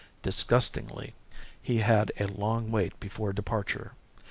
Disgustingly, he had a long wait before departure.